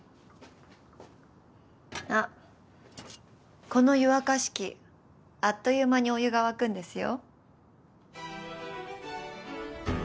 あっこの湯沸かし器あっという間にお湯が沸くんですよ。